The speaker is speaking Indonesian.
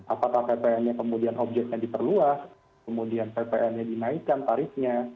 apakah ppn nya kemudian objeknya diperluas kemudian ppn nya dinaikkan tarifnya